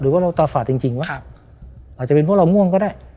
หรือว่าเราตาฝาดจริงจริงวะครับอาจจะเป็นเพราะเราม่วงก็ได้